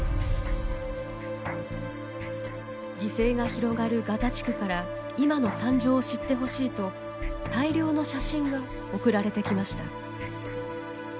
犠牲が広がるガザ地区から今の惨状を知ってほしいと大量の写真が送られてきました。